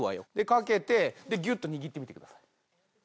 かけてギュっと握ってみてください。